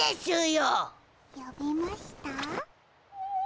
よびました？